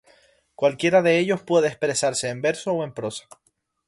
Cualquiera de ellos puede expresarse en verso o en prosa.